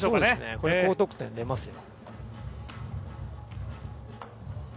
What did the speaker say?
これ、高得点、出ますよ。